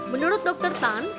menurut dokter tan